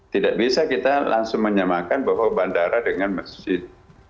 tidak bisa kita langsung menyamakan bahwa bandara dengan masjid